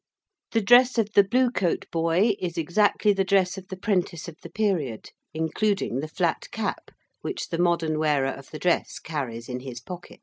The dress of the Blue Coat boy is exactly the dress of the prentice of the period, including the flat cap which the modern wearer of the dress carries in his pocket.